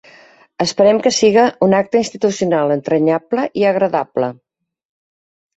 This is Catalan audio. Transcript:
Esperem que siga un acte institucional entranyable i agradable.